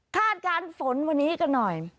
การฝนวันนี้กันหน่อย